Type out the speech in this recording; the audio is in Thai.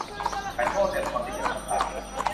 ฉันโง่เต็มทนที่จะทำตาม